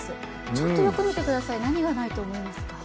ちょっとよく見てください、何がないと思いますか？